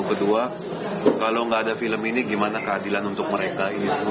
kedua kalau enggak ada film ini gimana keadilan untuk mereka